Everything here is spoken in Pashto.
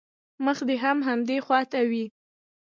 مخ دې هم همدې خوا ته وي.